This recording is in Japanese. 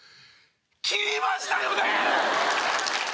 切りましたよね？